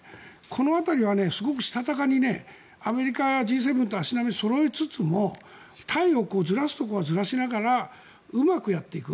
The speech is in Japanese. この辺りは、すごくしたたかにアメリカやＧ７と足並みをそろえつつも態度をずらすところはずらしながらうまくやっていく。